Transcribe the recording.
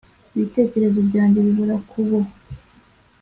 Ibitekerezo byanjye bihora ku bo